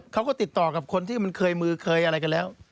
เขาก็ติดต่อกับคนที่มันเคยมือเคยอะไรกันแล้ว